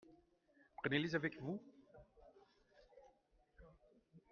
Prenez-les avec vous.